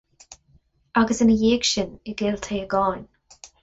Agus ina dhiaidh sin i gCill Téagáin.